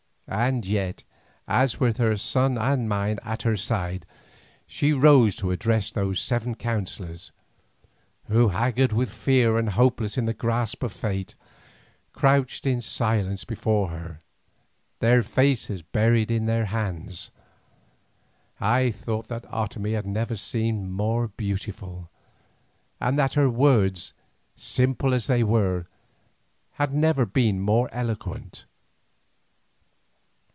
And yet, as with her son and mine at her side, she rose to address those seven councillors, who, haggard with fear and hopeless in the grasp of fate, crouched in silence before her, their faces buried in their hands, I thought that Otomie had never seemed more beautiful, and that her words, simple as they were, had never been more eloquent.